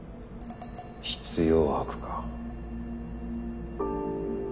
必要悪か。